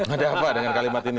ada apa dengan kalimat ini